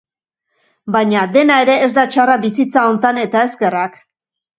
Baina, dena ere ez da txarra bizitza hontan eta eskerrak!